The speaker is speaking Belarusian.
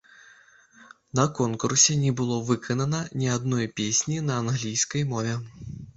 На конкурсе не было выканана ні адной песні на англійскай мове.